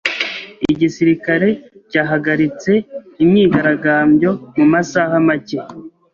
Igisirikare cyahagaritse imyigaragambyo mu masaha make.